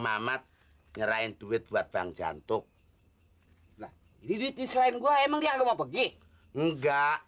mamat nyerahin duit buat bang jantung hai lah hidup selain gua emang dia nggak mau pergi enggak